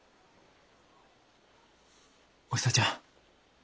おひさちゃん